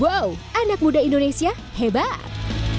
wow anak muda indonesia hebat